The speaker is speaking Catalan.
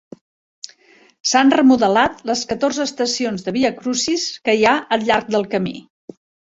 S'han remodelat les catorze estacions del viacrucis que hi ha al llarg del camí.